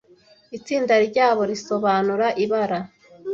itsinda ryabo, risobanura ibara